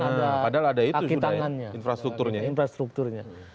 padahal ada itu sudah infrastrukturnya